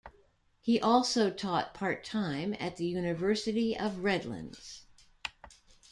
He also taught part-time at the University of Redlands.